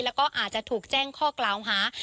แล้วก็อาจจะถูกแจ้งข้อกล่าวหา